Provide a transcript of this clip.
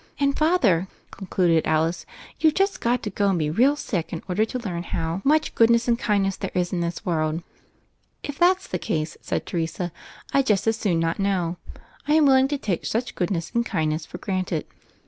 "And, Father," concluded Alice, "you've just got to go and be real sick in order to learn how 194 THE FAIRY OF THE SNOWS much goodness and kindness there is in this world." "If that's the case," said Teresa, "Fd just as soon not know. I am willing to take such goodness and kindness for granted."